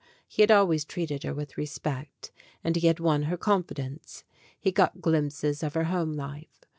He had always treated her with respect, and he had won her confidence. He got glimpses of her home life.